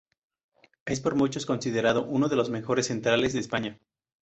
Es por muchos considerado uno de los mejores centrales de España.